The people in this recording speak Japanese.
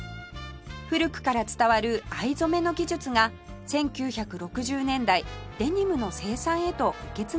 古くから伝わる藍染めの技術が１９６０年代デニムの生産へと受け継がれたのが始まりです